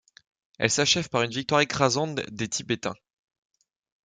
Elle s'achéve par une victoire écrasante des tibétains.